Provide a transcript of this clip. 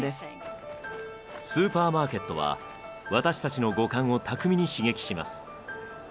スーパーマーケットは私たちの五感を巧みに刺激します。